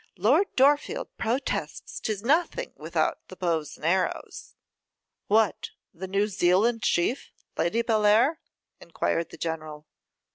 Lord Dorfield protests 'tis nothing without the bows and arrows.' 'What, the New Zealand chief, Lady Bellair?' enquired the general.